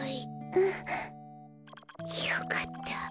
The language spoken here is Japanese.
うん。よかった。